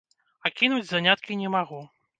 А кінуць заняткі не магу.